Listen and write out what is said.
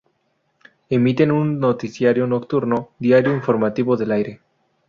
Emiten un noticiario Nocturno "Diario Informativo del aire".